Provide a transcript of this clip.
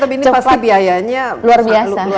tapi ini pasti biayanya luar biasa